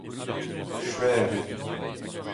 Skuizh eo.